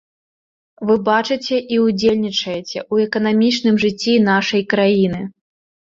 Вы бачыце і ўдзельнічаеце ў эканамічным жыцці нашай краіны.